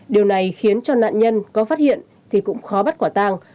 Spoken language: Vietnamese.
điều này khiến cho nạn nhân có phát hiện thì cũng khó bắt quả tàng